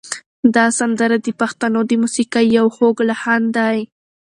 دا سندره د پښتنو د موسیقۍ یو خوږ لحن دی.